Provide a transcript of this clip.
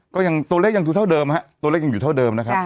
ตัวเลขยังดูเท่าเดิมฮะตัวเลขยังอยู่เท่าเดิมนะครับ